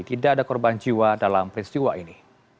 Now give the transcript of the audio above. tidak ada korban jiwa dalam peristiwa ini